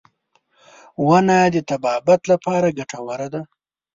• ونه د طبابت لپاره ګټوره ده.